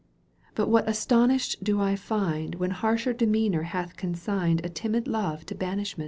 But what astonished do I find When harsh demeanour hath consigned A timid love to banishment